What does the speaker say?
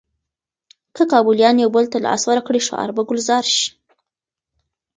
که کابليان یو بل ته لاس ورکړي، ښار به ګلزار شي.